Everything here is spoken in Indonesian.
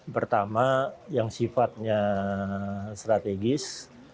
pertama yang sifatnya strategis